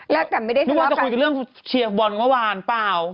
นึกว่าจะคุยกับเรื่องเชียร์บอลเมื่อวานป่าว